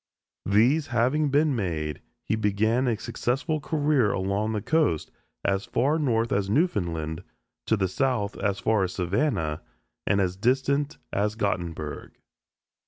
These having been made, he began a successful career along the coast as far north as Newfoundland, to the south as far as Savannah and as distant as Gottenburg.